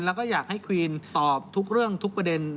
แล้วก็อยากให้ควีนตอบทุกเรื่องทุกประเด็น